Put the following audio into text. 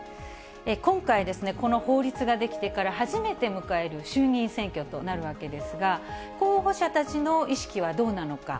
今回、この法律が出来てから初めて迎える衆議院選挙となるわけですが、候補者たちの意識はどうなのか。